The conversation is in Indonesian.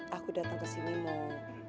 aku datang kesini mau